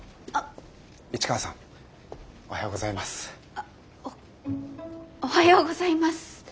あおおはようございます。